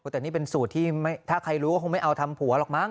แต่นี่เป็นสูตรที่ถ้าใครรู้ก็คงไม่เอาทำผัวหรอกมั้